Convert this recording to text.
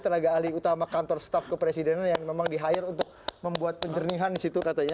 tenaga ahli utama kantor staff kepresidenan yang memang di hire untuk membuat penjernihan di situ katanya